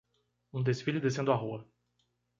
Um desfile descendo a rua.